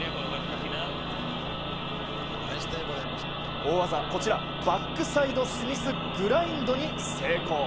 大技、バックサイドスミスグラインドに成功。